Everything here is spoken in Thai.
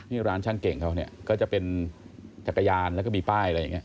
นี่ร้านช่างเก่งเขาเนี่ยก็จะเป็นจักรยานแล้วก็มีป้ายอะไรอย่างนี้